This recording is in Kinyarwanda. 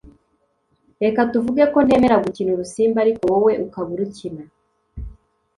reka tuvuge ko ntemera gukina urusimbi ariko wowe ukaba urukina